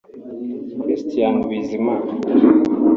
Christian Bizimana